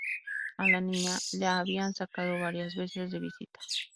A la niña la habían sacado varias veces de visita.